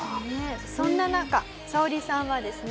そんな中サオリさんはですね。